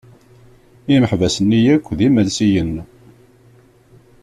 Imeḥbas-nni yakk d imelsiyen.